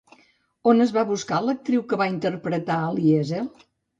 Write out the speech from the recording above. On es va buscar l'actriu que va interpretar a Liesel?